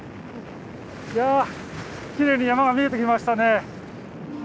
いやきれいに山が見えてきましたね。